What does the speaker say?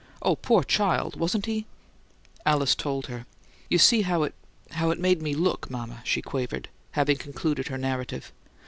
"Oh, poor child! Wasn't he " Alice told her. "You see how it how it made me look, mama," she quavered, having concluded her narrative.